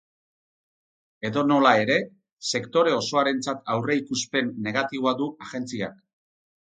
Edonola ere, sektore osoarentzat aurreikuspen negatiboa du agentziak.